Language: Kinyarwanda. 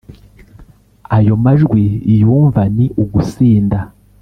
ayo majwi yumva ni ugusinda.